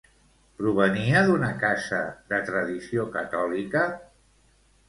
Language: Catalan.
Provenia d'una casa de tradició catòlica?